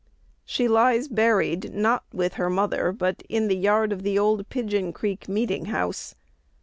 She lies buried, not with her mother, but in the yard of the old Pigeon Creek meeting house.